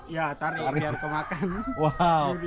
iya tarik biar kemakan